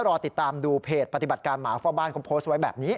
รอติดตามดูเพจปฏิบัติการหมาเฝ้าบ้านเขาโพสต์ไว้แบบนี้